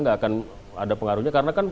nggak akan ada pengaruhnya karena kan